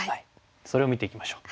それを見ていきましょう。